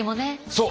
そう！